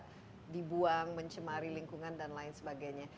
tidak dibuang mencemari lingkungan dan lain sebagainnya